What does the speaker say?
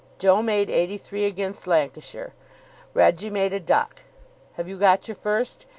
Joe made eighty three against Lancashire. Reggie made a duck. Have you got your first?